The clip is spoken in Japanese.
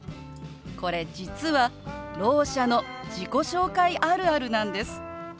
これ実はろう者の自己紹介あるあるなんです。